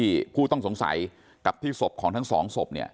ที่ผู้ต้องสงสัยกับที่สพของทั้งสองสพ